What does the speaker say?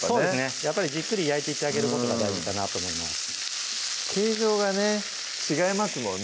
やっぱりじっくり焼いていってあげることが大事かなと思います形状がね違いますもんね